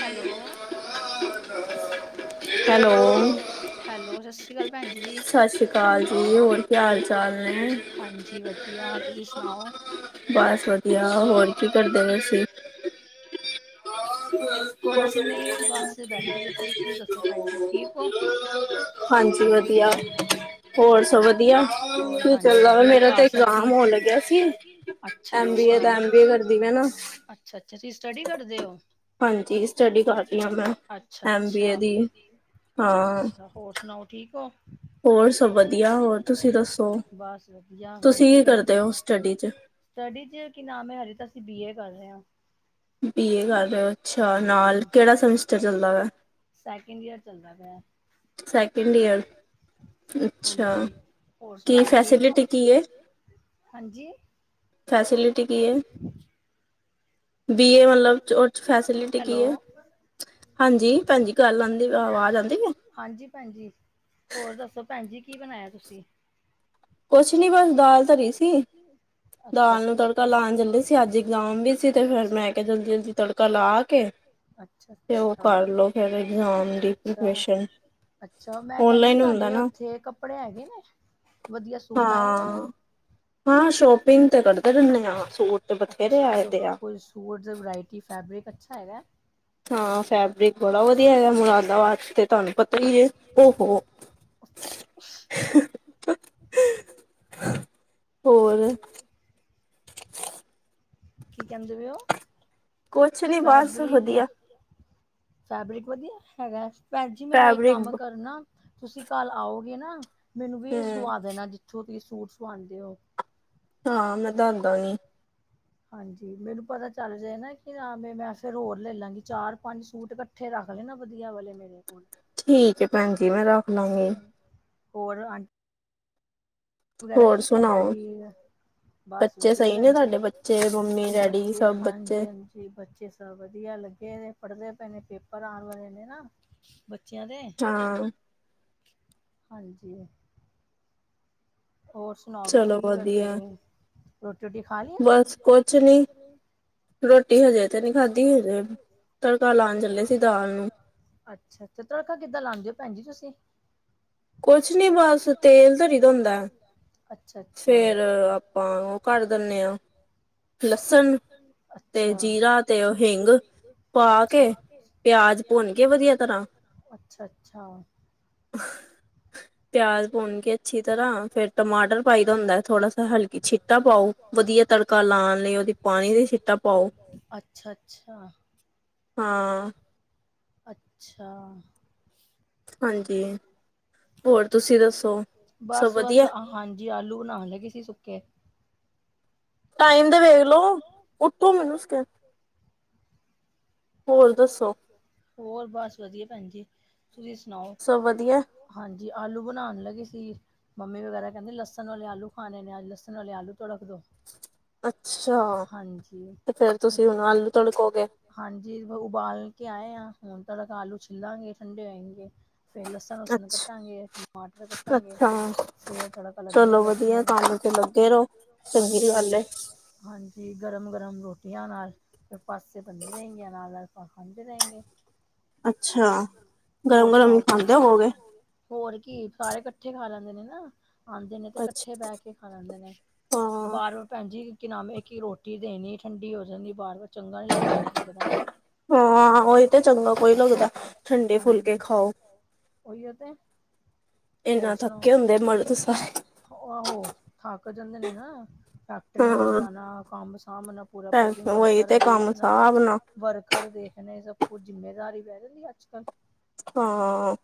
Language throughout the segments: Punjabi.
ਹੈਲੋ। Hello hello. ਸਤਿ ਸ਼ੀ ਅਕਾਲ ਭੈਣ ਜੀ ਸਤਿ ਸ਼੍ਰੀ ਅਕਾਲ ਜੀ ਹੋਰ ਕੀ ਹਾਲ ਚਾਲ ਨੇ ਹਾਂਜੀ ਵਧੀਆ ਤੁਸੀਂ ਸੁਣਾਓ? ਬਸ ਵਧੀਆ ਹੋਰ ਕੀ, ਕਰਦੇ ਔ ਤੁਸੀ। ਕੁਛ ਨਹੀਂ ਬਸ ਬੈਠੇ ਦੇ ਸੀ ਤੁਸੀਂ ਦੱਸੋ ਭੈਣ ਜੀ ਠੀਕ ਹੋ? [unintelligible] ਹਾਂਜੀ ਵਧੀਆ। ਹੋਰ ਸਭ ਵਧੀਆ ਹੋਰ ਕੀ ਹਾਂਜੀ ਚੱਲਦਾ ਵਾ ਵਧੀਆ ਮੇਰਾ ਘਰ ਤੇ ਸਭ ਇਗਜ਼ਾਮ ਹੋਣ ਲੱਗਿਆ ਸੀ। ਬੀ ਏ ਦਾ ਐਮ ਬੀ ਏ ਕਰਦੀ ਮੈਂ ਨਾ ਅੱਛਾ-ਅੱਛਾ ਤੁਸੀਂ ਸਟਡੀ ਕਰਦੇ ਹੋ। ਹਾਂਜੀ, ਸਟੱਡੀ ਕਰ ਰਹੀ ਹਾਂ ਮੈਂ ਐਮ ਬੀ ਏ ਦੀ ਹਾਂ ਅੱਛਾ-ਅੱਛਾ-ਅੱਛਾ ਹੋਰ ਸੁਣਾਓ। ਠੀਕ ਹੋ। ਹੋਰ ਸਭ ਵਧੀਆ ਹੋਰ ਤੁਸੀਂ ਦੱਸੋ ਤੁਸੀਂ ਕੀ ਕਰਦੇ ਹੋ ਸਟੱਡੀ ਚ। ਸਟੱਡੀ ਚ ਕੀ ਨਾਮ ਹੈ ਹਜੇ ਤਾ ਅਸੀ ਬੀ ਏ ਕਰ ਰਹੇ ਹਾ। ਬੀ ਏ ਕਰ ਰਹੇ ਹੋ ਅੱਛਾ ਹਾਂਜੀ ਨਾਲ ਕਿਹੜਾ ਸਮੈਸਟਰ ਚੱਲਦਾ ਵਾ ਸਕਿੰਡ ਜੀਅਰ ਚੱਲਦਾ ਪ [inaudible] ਇੰਡੀਅਨ ਅੱਛਾ ਹਾਂਜੀ। ਹੋਰ ਕੀ ਸੁਣਾਓ ਠੀਕ ਹੋ? ਫੈਸਿਲਿਟੀ ਕੀ ਹੈ। ਹਾਂਜੀ, ਫੈਸਿਲਿਟੀ ਕੀ ਹੈ। ਬੀਏ ਮਤਲਬ ਉਹ 'ਚ ਫੈਸਿਲਿਟੀ ਹੈਲੋ, ਕੀ ਹੈ, ਆਵਾਜ਼ ਆਂਦੀ ਪਈ ਏ? ਹਾਂਜੀ ਭੈਣਜੀ ਹੋਰ ਦੱਸੋ ਭੈਣ ਜੀ ਕੀ ਬਣਾਇਆ ਤੁਸੀਂ? ਕੁਛ ਨੀ ਬਸ ਦਾਲ ਧਰੀ ਸੀ ਅੱਛਾ, ਦਾਲ ਨੂੰ ਤੜਕਾ ਅੱਛਾ। ਲਾਉਣ ਜਾਂਦੀ ਸੀ ਅੱਜ ਇਗਜਾਮ ਵੀ ਸੀ ਤੇ ਅੱਛਾ, ਫੇਰ ਮੈਂ ਕਿਹਾ ਜਲਦੀ ਜਲਦੀ ਤੜਕਾ ਲਾ ਕੇ, ਅੱਛਾ, ਤੇ ਉਹ ਅੱਛਾ, ਕਰਲੋ ਫਿਰ ਇਗਜ਼ਾਮ ਦੀ ਅੱਛਾ। ਪ੍ਰਪਰੇਸ਼ਨ ਅੱਛਾ ਮੈਂ ਕਹਿੰਦੀ ਸੀ ਸਾਡੇ ਉੱਥੇ ਕੱਪੜੇ ਹੈਗੇ ਨੇ, ਵਧੀਆ ਸੂਟ ਆਏਦੇ ਨੇ ਹਾਂ। ਹਾਂ ਸ਼ੋਪਿੰਗ ਤੇ ਕਰਦੇ ਰਹਿੰਦੇ ਹਾਂ ਸੂਟ ਤੇ ਅੱਛਾ, ਬਥੇਰੇ ਅੱਛਾ ਆਏਦੇ ਆ। ਕੋਈ ਸੂਟ ਵਰਾਇਟੀ ਫੈਬਰਿਕ ਅੱਛਾ ਹੈਗਾ। ਹਾਂ ਫੈਬਰਿਕ ਬੜਾ ਵਧੀਆ ਹੈਗਾ ਮੁਰਾਦਾਬਾਦ ਤੇ ਤੁਹਾਨੂੰ ਪਤਾ ਹੀ ਜੇ ਉਹ [inaudible] ਹੋਰ, ਕੀ ਕਹਿੰਦੇ ਪ ਉਹ, ਕੁਛ ਨੀ ਬਸ ਵਧੀਆ ਫੈਬਰਿਕ ਵਧੀਆ ਹੈਗਾ ਭੈਣ ਜੀ ਮੈਨੂੰ ਇੱਕ ਫੈਬਰਿਕ ਕੰਮ ਕਰਨਾ ਤੁਸੀਂ ਕੱਲ ਆਓਗੇ ਨਾ ਮੈਨੂੰ ਵੀ ਇਹ ਹੂੰ ਸਵਾ ਦੇਣਾ ਜਿੱਥੋਂ ਤੁਸੀਂ ਸੂਟ ਸਵਾਉਂਦੇ ਹੋ। ਹਾਂ ਮੈਂ ਦੱਸਦਾ ਗੀ, ਹਾਂਜੀ ਮੈਨੂੰ ਪਤਾ ਚੱਲ ਰਿਹਾ ਨਾ ਕਿ ਆਵੇ ਮੈਂ ਫਿਰ ਹੋਰ ਲੈ ਲਾਂਗੀ ਚਾਰ ਪੰਜ ਸੂਟ ਇਕੱਠੇ ਰੱਖ। ਆ ਗਏ ਨਾ ਵਧੀਆ ਵਾਲੇ ਮੇਰੇ ਕੋਲ ਠੀਕ ਹੈ ਭੈਣ ਜੀ ਮੈਂ ਰੱਖ ਲਾਂਗੀ। ਹਾਂ, ਹੋਰ ਆ ਵਗੈਰਾ ਹੋਰ ਠੀਕ ਨਾ ਸੁਣਾਓ ਡੈਡੀ ਬਸ ਬੱਚੇ ਵਧੀਆ ਸਹੀ ਨੇ ਭੈਣ ਜੀ ਤੁਹਾਡੇ ਬੱਚੇ ਮੰਮੀ ਡੈਡੀ ਬੱਚੇ ਸਭ ਬੱਚੇ ਹਾਂਜੀ ਹਾਂਜੀ ਬੱਚੇ ਸਭ ਵਧੀਆ ਲੱਗੇ ਨੇ ਪੜ੍ਹਦੇ ਪਏ ਨੇ ਪੇਪਰ ਆਉਣ ਵਾਲੇ ਨੇ ਨਾ ਬੱਚਿਆਂ ਦੇ ਹਾਂ ਹਾਂਜੀ ਹੋਰ ਸੁਣਾਓ ਚਲੋ ਤੁਸੀਂ ਕੀ ਕਰਦੇ ਵਧੀਆ ਪਏ? ਰੋਟੀ ਖਾ ਲਈ ਬਸ ਕੁਛ ਨਹੀ। ਰੋਟੀ ਹਜੇ ਤੇ ਨਹੀਂ ਖਾਧੀ, ਹਜੇ ਤੜਕਾ ਲਾਉਣ ਚੱਲੇ ਸੀ ਦਾਲ ਨੂੰ। ਅੱਛਾ ਤੇ ਤੜਕਾ ਕਿੱਦਾਂ ਲਾਉਣ ਦੇ ਹੋ ਭੈਣ ਜੀ ਤੁਸੀਂ। ਕੁਛ ਨੀ ਬਸ ਤੇਲ ਧਰੀ ਦਾ ਹੁੰਦਾ ਏ। ਅੱਛਾ ਅੱਛਾ ਫੇਰ ਆਪਾਂ ਉਹ ਕਰ ਦਿੰਨੇ ਆਂ। ਲਸਣ ਤੇ ਅੱਛਾ ਜੀਰਾ ਤੇ ਉਹ ਹਿੰਗ ਪਾ ਅੱਛਾ ਅੱਛਾ ਕੇ ਪਿਆਜ ਭੁੰਨ ਕੇ ਵਧੀਆ ਤਰ੍ਹਾਂ ਅੱਛਾ ਅੱਛਾ ਪਿਆਜ ਪੁਣਗੇ ਅੱਛੀ ਤਰਹਾ ਫੇਰ ਟਮਾਟਰ ਪਾਈਦਾ ਹੁੰਦਾ ਏ ਥੋੜਾ ਸਾ ਹਲਕੀ ਛਿੱਟਾ ਪਾਓ ਵਧੀਆ ਤੜਕਾ ਲਾਉਣ ਲਈ ਉਹਦੀ ਪਾਣੀ ਦੀ ਸ਼ਿਟਾ ਪਾਓ। ਅੱਛਾ ਹਾਂ ਅੱਛਾ ਹਾਂਜੀ ਹੋਰ ਤੁਸੀਂ ਦ ਬਸ ਬਸ ਹਾਂਜੀ ਆਲੂ ਬਣਾਉਣ ਲਗੀ ਸੀ ਸੁੱਕੇ। ਟਾਈਮ ਤੇ ਵੇਖ ਲਓ ਉੱਠੋ ਹੂਨ ਹੋਰ ਬਸ ਵਧੀਆ ਭੈਣ ਜੀ। ਤੁਸੀਂ ਸੁਣਾਓ ਸਭ ਵਧੀਆ ਹਾਂਜੀ ਜੀ ਆਲੂ ਬਣਾਣ ਲੱਗੇ ਸੀ, ਮੰਮੀ ਵਗੈਰਾ ਕਹਿੰਦੇ ਲਸਣ ਵਾਲੇ ਆਲੂ ਖਾਣੇ ਨੇ, ਅੱਜ ਲਸਣ ਆਲੇ ਆਲੂ ਤੁੜਕ ਦੋ। ਅੱਛਾ ਹਾਂਜੀ, ਤੇ ਫੇਰ ਤੁਸੀਂ ਹੁਣ ਆਲੂ ਤੜਕੋਗੇ ਹਾਂਜੀ ਉਬ ਉਬਾਲ ਕੇ ਆਏ ਆਂ, ਹੁਣ ਪਹਿਲਾ ਤਾਂ ਆਲੂ ਛਿਲਾਂਗੇ ਠੰਡੇ ਹੋਏਂਗੇ। ਫੇਰ ਲਸਣ-ਲੁਸਣ ਅੱਛਾ ਕੱਟਾਂਗੇ, ਟਮਾਟਰ ਕੱਟਾਂਗੇ। ਅੱਛਾ ਫਿਰ ਤੜਕਾ ਲੱਗੇਗਾ ਚਲੋ ਲਸਣ ਵਧੀਆ ਵਾਲਾ ਕੰਮ ਚ ਲੱਗੇ ਰਹੋ, ਚੰਗੀ ਹਾਂਜੀ ਗੱਲ ਏ। ਹਾਂਜੀ ਗਰਮ ਗਰਮ ਰੋਟੀ ਟੀਆਂ ਨਾਲ, ਫੇਰ ਪਾਸੇ ਬੰਦੇ ਰਹਿੰਗੇ ਨਾਲ- ਨਾਲ ਆਪਾ ਖਾਂਦੇ ਰਹਿਣਗੇ। ਅੱਛਾ, ਗਰਮ-ਗਰਮ ਹੀ ਭੈਣ ਖਾਂਦੇ ਹੋਵੋਗੇ। ਹੋਰ ਕੀ ਸਾਰੇ ਇਕੱਠੇ ਖਾ ਲੈਂਦੇ ਨੇ ਨਾ। ਆਂਦੇ ਨੇ ਤੇ ਇਕੱਠੇ ਅੱਛਾ ਬਹਿ ਕੇ ਖਾ ਲੈਂਦੇ ਨੇ। ਹਾਂ ਬਾਰ-ਵਾਰ ਭੈਣਜੀ ਕਿ ਨਾਮ ਏ, ਇੱਕ ਹੀ ਰੋਟੀ ਦੇਣੀ ਠੰਡੀ ਹੋ ਜਾਂਦੀ ਬਾਰ- ਬਾਰ ਹਾਂ ਔ ਤਾਂ ਚੰਗਾ ਕੋਈ ਲੱਗਦਾ। ਠੰਡੇ ਫੁਲਕੇ ਹਾਂਜੀ, ਖਾਓ ਔਇਯੋ ਤੇ। ਹੋਰ ਏਨਾ ਸੁਣਾਓ ਥੱਕੇ ਹੁੰਦੇ ਮਰਦ ਸਾਰੇ। ਥਾਕ ਜਾਂਦੇ ਨੇ ਨਾ। ਫੈਕਟਰੀਆਂ ਚ ਹਾਂ ਜਾਣਾ, ਕੰਮ ਸਾਭਣਾ ਪੂਰਾ-ਪੂਰਾ ਭੈਣ ਦਿਨ ਉਹੀ ਵਰਕਰ ਤੇ ਕੰਮ ਵੇਖਣਾ। ਸਾਬ ਨਾ ਵਰਕਰ ਦੇਖਣੇ ਸਭ ਕੁਝ ਜਿੰਮੇਦਾਰੀ ਪੇ ਜਾਂਦੀ ਅੱਜ ਕੱਲ। ਹਾਂ।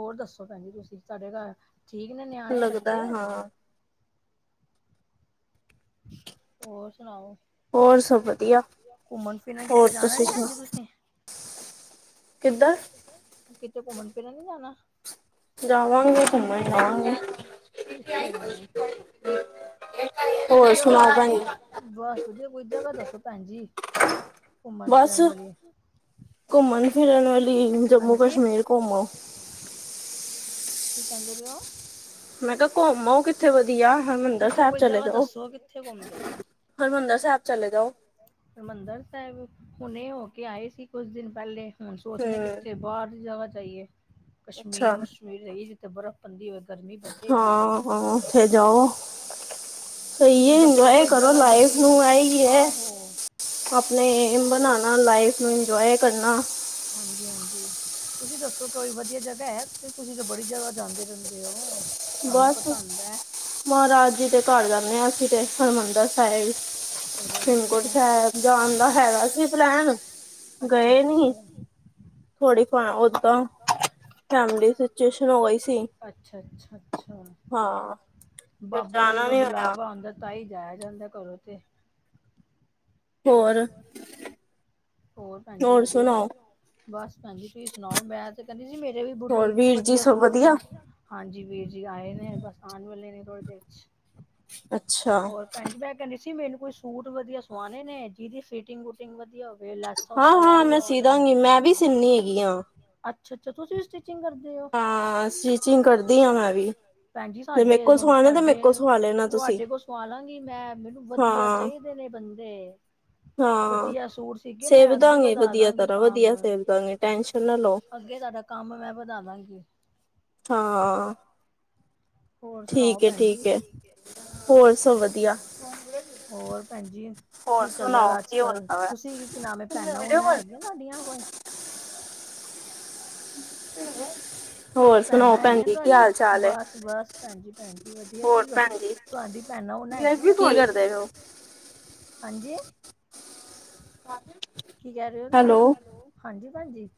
ਹੋਰ ਦੱਸੋ ਭੈਣ ਜੀ ਤੁਸੀਂ ਸਾਡੇ ਘਰ ਠੀਕ ਨੇ ਲੱਗਦਾ ਨਿਆਣੇ-ਬੱਚੇ? ਹਾਂ ਹੋਰ ਸੁਣਾਔ? ਹੋਰ ਸਭ ਵਧੀਆ, ਫਿਰਨ ਹੋਰ ਕਿਤੇ ਜਾਣਾ ਤੁਸੀਂ ਨੀ ਸੁਣਾ ਭੈਣ ਜੀ ਤੁਸੀਂ ਕਿਤੇ ਘੁੰਮਣ ਫਿਰਨ ਨੀ ਜਾਣਾ? ਜਾਵਾਂਗੇ ਘੁੰਮਣ, ਜਾਵਾਂਗੇ। ਕਿੱਥੇ ਜਾਣਾ ਕੋਈ ਹੋਰ ਜਗ੍ਹਾ ਸੁਣਾਓ ਭੈਣ ਦੱਸੋ, ਜੀ ਬਸ ਵਧੀਆ, ਕੋਈ ਜਗ੍ਹਾ ਦੱਸੋ ਭੈਣ ਜੀ। ਘੁੰਮਣ ਬਸ ਫਿਰਨ ਵਾਲੀ। ਘੁੰਮਣ ਫਿਰਨ ਵਾਲੀ, ਹਾਂਜੀ ਜੰਮੂ-ਕਸ਼ਮੀਰ ਘੁੰਮ ਆਔ। ਕੀ ਕਹਿੰਦੇ ਪਹੇ ਹੋ? ਮੈਂ ਕਿਹਾ ਘੁੰਮ ਆਔ ਕਿੱਥੇ ਵਧੀਆ, ਹਰਿਮੰਦਰ ਕਿੱਥੇ ਸਾਹਿਬ ਕੋਈ ਚਲੇ ਜਗ੍ਹਾ ਜਾਓ। ਦੱਸੋ ਕਿੱਥੇ ਘੁੰਮ ਕੇ ਆਈਏ ਹਰਿਮੰਦਰ ਸਾਹਿਬ ਚਲੇ ਜਾਓ। ਹਰਿਮੰਦਰ ਸਾਹਿਬ ਹੁਣੇ ਹੋ ਕੇ ਆਏ ਸੀ ਕੁੱਛ ਦਿਨ ਪਹਿਲੇ ਹੁਣ ਸੋਚਨੇ ਅ ਹੂੰ ਕਿੱਥੇ ਬਾਹਰ ਦੀ ਜਗ੍ਹਾ ਜਾਈਏ। ਅੱਛਾ ਕਸ਼ਮੀਰ-ਨੁਸ਼ਮੀਰ ਜਾਇਏ, ਜਿੱਥੇ ਬਰਫ਼ ਪੈਂਦੀ ਹੋਵੇ, ਗਰਮੀ ਬਥੇਰੀ ਏ। ਹਾਂ ਹਾਂ ਔਥੇ ਜਾਓ। ਸਹੀ ਕੋਈ ਏ, ਦੱਸੋ ਇੰਜੋਯ ਕੋਈ ਕਰੋ ਜਗ੍ਹਾ ਲਾਈਵ ਵਧੀਆ ਨੂੰ ਏ ਈ ਏ। ਆਹੋ ਆਪਣੇ ਏਮ ਬਣਾਣਾ, ਲਾਈਫ ਨੂੰ ਇੰਜੋਏ ਕਰਨਾ। ਹਾਂਜੀ ਹਾਂਜੀ ਤੁਸੀਂ ਦੱਸੋ ਕੋਈ ਵਧੀਆ ਜਗ੍ਹਾ ਹੈ? ਤੁਸੀਂ ਤਾਂ ਬੜੀ ਜਗ੍ਹਾ ਜਾਂਦੇ ਰਹਿੰਦੇ ਹੋ। ਤੁਹਾਨੂੰ [inaudible] ਪਤਾ ਹੁੰਦਾ ਮਹਾਰਾਜ ਜੀ ਦੇ ਘਰ ਜਾਂਦੇ ਹਾਂ ਅਸੀਂ ਤੇ, ਹਰਿਮੰਦਰ ਸਾਹਿਬ, ਚਲੋ ਵਧੀਆ ਹੇਮਕੁੰਟ ਹੈ ਸਾਹਿਬ। ਜਾਨ ਦਾ ਹੈਗਾ ਸੀ ਪਲੈਨ, ਅੱਛਾ ਗਏ ਨੀ। ਅੱਛਾ [inaudible] ਥੋੜੀ ਫ ਔਦਾਂ ਅੱਛਾ, ਅੱਛਾ, ਅੱਛਾ। ਹਾਂ ਫਿਰ ਬਾਬੇ ਦਾ ਜਾਣਾ ਜਦੋਂ ਨੀ ਹੋਇਆ ਬੁਲਾਵਾ ਆਂਦਾ ਤਾਂ ਹੀ ਜਾਯਾ ਜਾਂੰਦਾ ਕਰੋ ਤੇ ਤੇਹੋਰ ਹੋਰ, ਭੈਣਜੀ ਵਧੀਆ? ਬਸ ਭੈਣਜੀ ਤੁਹੀ ਸੁਣਾਓ? ਮੈਂ ਤੇ ਕਹਿੰਦੀ ਸੀ ਮੇਰੇ ਵੀ ਹੋਰ ਬੁਟੀਕ ਤੋਂ ਵੀਰ ਜੀ ਵਧੀਆ ਸਭ ਸੂਟ ਵਧੀਆ ਹਾਂਜੀ, ਵੀਰ ਜੀ, ਆਏ ਨੇ? ਬਸ ਆਉਣ ਵਾਲੇ ਨੇ ਥੋੜੀ ਦੇਰ ਚ। ਅੱਛਾ। ਤੁਸੀ, ਮੈਨੂੰ ਕੋਈ ਸੂਟ, ਵਧੀਆ ਸਵਾਉਣੇ ਨੇ। ਜਿਹਦੀ ਫਿਟਿੰਗ- ਵੂਟਿੰਗ ਵਧੀਆ ਹੋ। ਹਾਂ- ਹਾਂ, ਮੈਂ, ਸੀਦਾਂਗੀ। ਮੈਂ ਵੀ, ਸੀਨੀ ਹੈਗੀ ਹਾਂ। ਅੱਛਾ- ਅੱਛਾ। ਤੁਸੀ ਵੀ, ਸਟਚਿੰਗ ਕਰਦੇ ਹੋ? ਹਾਂ ਸਟਿਚਿੰਗ ਕਰਦੀ ਹਾਂ ਮੈਂ ਵੀ ਜੇ ਮੇ ਸਾਡੇ ਕੋਲ ਸਵਾਨਾ ਤੇ, ਮੇਰੇ ਸਾਡੇ ਕੋਲ ਸੁਵਾ ਲੈਣ। ਤੁਹਾਡੇ ਕੋਲ ਸਵਾਲਾਂਗੀ ਮੈਂ। ਮੈਨੂੰ, ਵਧੀਆ, ਹਾਂ ਚਾਹੀਦੇ ਨੇ ਬੰਦੇ। ਹਾਂ ਵਧੀਆ ਸੂਟ- ਮੈਂ, ਸੇਬ ਅੱਗੇ ਦਾਂਗੇ ਵਧਾ ਵਧੀਆ ਦਾਂਗੀ ਤਰ੍ਹਾਂ ਵਧੀਆ ਕੰਮ। ਸੇਬ ਦਾਂਗੇ ਟੈਨਸ਼ਨ ਨਾ ਲਓ ਅੱਗੇ ਸਾਡਾ, ਕੰਮ ਮੈਂ ਵਧਾ ਦਾਂਗੀ। ਹ [inaudible] ਹਾਂ। ਹੋਰ ਸੁਣਾਓ, ਠੀਕ ਹੈ ਭੈਣ ਜੀ ਹੈ ਠੀਕ? ਹੋਰ ਸਭ ਵਧੀਆ ਵਧੀਆ-ਵਧੀਆ, ਹੋਰ ਭੈਣ ਜੀ? ਹੋਰ ਕੀ ਚੱਲਦਾ ਸੁਣਾਓ ਵੇ ਅੱਜ ਕੀ ਕੱਲ? ਹੁੰਦਾ ਵੈ ਤੁਸੀਂ, ਕਿ ਨਵੇਂ ਪੈਨਾ- ਪੁਨਾਂ ਹੈਗੀਆਂ, ਤੁਡੀਆਂ ਕੋਈ? ਹੋ ਹੋ [unintelligible] ਭੈਣਾਂ ਹੈਗੀਆਂ ਤੁਹਾਡੀਆਂ? ਬਸ- ਬਸ, ਭੈਣ ਜੀ, ਭੈਣ ਜੀ ਵਧੀਆ। ਹੋਰ ਤੁਸੀਂ ਭੈਣ ਦੱਸੋ? ਜੀ ਤੁਹਾਡੀ ਭੈਣਾਂ- ਹੁਣ ਹੈਗੀਆਂ ਕੀ ਨੇ- ਕਰਦੇ ਪਏ ਹੋ ਹਾਂਜੀ, ਕੀ ਕਹਿ ਰਹੇ ਹੋ? ਹੈਲੋ, ਹਾਂਜੀ। ਹਾਂਜੀ।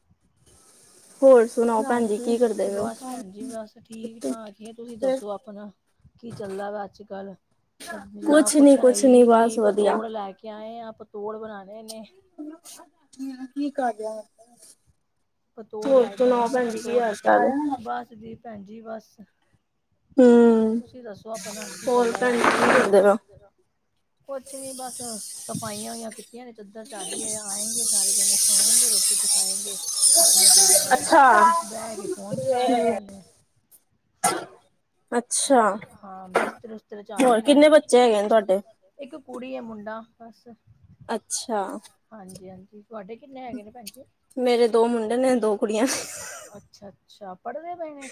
ਹੋਰ ਸੁਣਾਓ ਭੈਣ ਜੀ ਕੀ ਕਰਦੇ ਪਏ ਹੋ ਬਸ ਭੈਣ ਜੀ, ਬਸ, ਠੀਕ- ਠਾਕ ਹੀ ਆ। ਤੁਸੀਂ ਦੱਸੋ ਆਪਣਾ? ਕੀ ਚੱਲਦਾ ਪੇਆ, ਅੱਜ ਕੱਲ? ਸਬਜ਼ੀਆਂ ਕੁਛ ਨੀ ਕੁੱਛ ਹੈ ਕੁਛ ਹੀ ਨੀ। ਬਸ ਵਧੀਆ ਪਤੋੜ ਲੈ ਕੇ ਆਏ ਆਂ। ਪਤੋੜ, ਬਣਾਉਣੇ ਨੇ। ਕੀ ਕਰ ਰਿਹਾ? ਪਤੋੜ ਹੋਰ ਲੈ ਕੇ ਸੁਣਾਓ ਆਏ ਆ। ਭੈਣ ਜੀ ਪਤੋੜ, ਚਾਲ ਹੈ ਬਸ ਜੀ, ਭੈਣ ਜੀ ਬਸ। ਹਮ ਤੁਸੀਂ ਦੱਸੋ, ਆਪਣਾ, ਕੀ ਹੋਰ ਚੱਲਦਾ ਪੇਆ ਭੈਣ ਹੈ, ਜੀ ਅੱਜ ਕੀ ਕਰਦੇ ਪਏ ਹੋ ਕੱਲ? ਕੁਛ ਨੀ, ਬਸ। ਸਫ਼ਾਈਆਂ ਔਈਆਂ ਕੀਤੀਆਂ ਨੇ। ਚਾਦਰ ਚਾੜੀ ਏ, ਆਏਂਗੇ ਸਾਰੇ ਜਣੇ, ਸੋਏਗੇ ਰੋਟੀ- ਰੁਟੀ ਖਾਏਂਗੇ। ਆਪਣੀ- ਆਪਣੀ, ਜਗਾ ਤੇ, ਅੱਛਾ ਬਹਿ ਕੇ, ਫੋਨ ਚਲਾਉਣਾ ਇਹਨਾਂ ਨੇ। ਅੱਛਾ ਹਾਂ। ਬਿਸਤਰ- ਉਸਤਰੇ, ਹੋਰ ਚਾੜੇ ਨੇ। ਕਿੰਨੇ ਇੱਕ ਬੱਚੇ ਹੈਗੇ ਨੇ ਤੁਹਾਡੇ? ਕੁੜੀ ਹੈ ਇੱਕ ਮੁੰਡਾ। ਬਸ। ਅੱਛਾ। ਹਾਂਜੀ- ਹਾਂਜੀ। ਤੁਡੇ ਕਿਨੇ ਹੈ, ਨੇ ਭੈਣ ਜੀ? ਮੇਰੇ ਦੋ ਮੁੰਡੇ ਨੇ ਦੋ ਕੁੜੀਆਂ ਨੇ। ਅੱਛਾ- ਅੱਛਾ। ਪੜ੍ਹਦੇ ਪਏ ਨੇ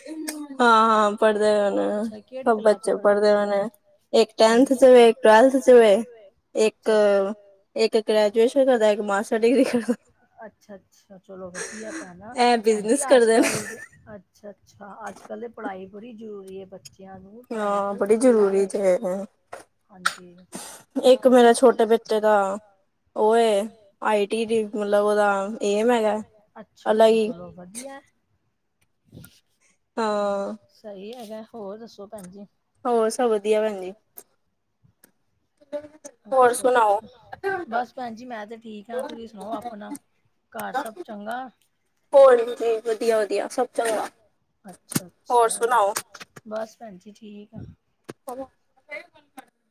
ਹਾਂ-ਹਾਂ, ਪੜਦੇ, ਪਏ ਨੇ। ਅੱਛਾ ਕਿਹੜੀ ਸਭ ਕਲਾਸ ਚ ਬੱਚੇ ਪੜ੍ਹਦੇ ਪੜਦੇ, ਪਏ ਨੇ। ਇੱਕ ਟੈਨਥ ਹਾਂਜੀ ਚ ਵੇ। ਇੱਕ ਟਵੈਲਥ ਚ ਹੈ, ਅੱਛਾ ਇੱਕ ਗੈਜੂਏਸ਼ਨ। ਦਾ [unintelligible] ਅੱਛਾ-ਅੱਛਾ। ਚਲੋ ਵਧੀਆ ਭੈਣਾ। ਐ ਭੈਣ ਜੀ, ਬਿਜਨਸ ਅੱਜ ਕਰਦੇ ਨੇ। ਕਲ ਦੇ। ਅੱਛਾ-ਅੱਛਾ, ਅੱਜ ਕੱਲ ਦੇ ਪੜਾਈ ਬੜੀ ਜ਼ਰੂਰੀ ਹੈ। ਬੱਚੇ ਬੱਚਿਆਂ ਨੂੰ ਪੜਾਈ ਹਾਂ, ਬਹੁਤ ਬੜੀ ਜ਼ਰੂਰੀ ਤੇ ਹੈਗੀ ਐਂ। ਹਾਂਜੀ। ਇੱਕ, ਮੇਰਾ ਛੋਟੇ, ਬੱਚੇ ਦਾ ਉਹ। ਆਈਟੀ, ਦੀ ਮਤਲਬ ਓਦਾ ਏਮ ਹੈਗਾ। ਅਲੱਗ ਅੱਛਾ-ਅੱਛਾ। ਈ। ਚਲੋ ਵਧੀਆ। ਹਾਂ। ਮੈਂ, ਹੋਰ ਦੱਸੋ ਭੈਣ ਜੀ? ਹੋਰ, ਸਭ ਵਧੀਆ। ਭੈਣ ਜੀ। ਹੋਰ ਸੁਣਾਓ? ਅੱਛਾ-ਅੱਛਾ, ਬਸ ਭੈਣ ਜੀ, ਮੈਂ ਤੇ, ਠੀਕ ਆ। ਤੁਸੀਂ ਸੁਣਾਓ ਆਪਣਾ? ਘਰ, ਸਭ ਚੰਗਾ,? ਹੋਰ, ਵਧੀਆ-ਵਧੀਆ ਸਭ ਚੰਗਾ। ਹੋਰ ਸੁਣਾਓ? ਹਾਂਜੀ। ਠੀਕ ਆ। ਗੱਲ ਕਰਦੇ [unintelligible]